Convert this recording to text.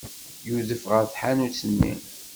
Yudef ɣer tḥanut-nni.